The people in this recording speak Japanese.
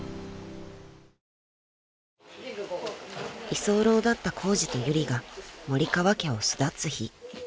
［居候だったコウジとユリが森川家を巣立つ日］